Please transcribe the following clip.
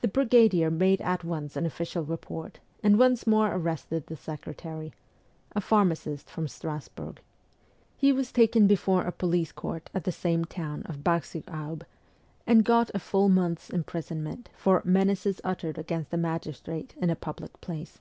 The brigadier made at once an official report, and once more arrested the secretary a pharmacist from Strasburg. He was taken before a police court at the same town of Bar sur Aube, and got a full month's imprisonment for ' menaces uttered against a magistrate in a public place.'